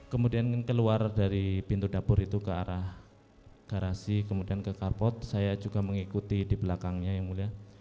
kemudian keluar dari pintu dapur itu ke arah garasi kemudian ke karpot saya juga mengikuti di belakangnya yang mulia